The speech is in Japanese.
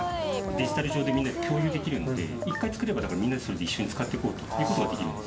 デジタル上でみんなで共有できるので一回作ればみんなで一緒に使っていこうということができる。